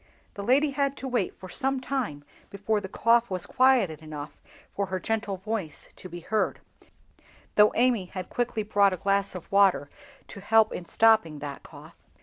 The lady had to wait for some time before the cough was quieted enough for her gentle voice to be heard, though Amy had quickly brought a glass of water to help in stopping that cough.